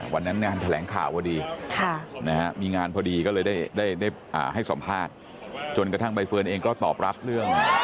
งานแถลงข่าวพอดีมีงานพอดีก็เลยได้ให้สัมภาษณ์จนกระทั่งใบเฟิร์นเองก็ตอบรับเรื่อง